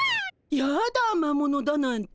やだ魔物だなんて。